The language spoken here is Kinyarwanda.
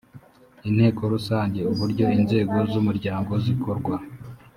inteko rusange uburyo inzego z umuryango zikorwa